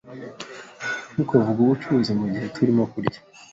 Ntukavuge ubucuruzi mugihe turimo kurya.